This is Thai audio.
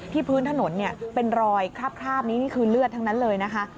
ที่พื้นถนนเป็นรอยคราบนี่คือเลือดทั้งนั้นเลยนะคะ